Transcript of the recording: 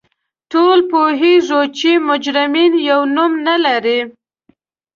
ټول پوهیږو چې مجرمین یو نوم نه لري